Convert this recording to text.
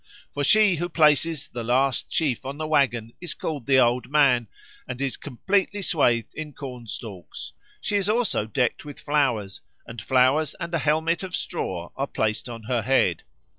For she who places the last sheaf on the waggon is called the Old Man, and is completely swathed in corn stalks; she is also decked with flowers, and flowers and a helmet of straw are placed on her head.